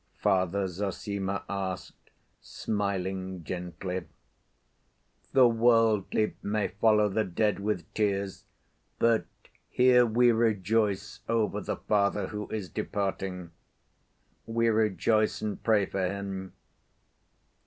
Father Zossima asked, smiling gently. "The worldly may follow the dead with tears, but here we rejoice over the father who is departing. We rejoice and pray for him.